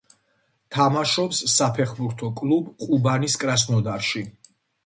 თამაშობს საფეხბურთო კლუბ ყუბანის კრასნოდარში.